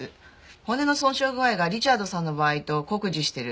骨の損傷具合がリチャードさんの場合と酷似してる。